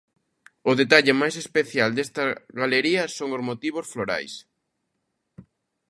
O detalle mais especial desta galería son os motivos florais.